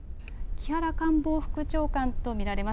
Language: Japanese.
木原官房副長官と見られます。